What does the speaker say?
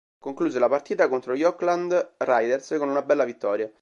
Concluse la partita contro gli Oakland Raiders con una bella vittoria.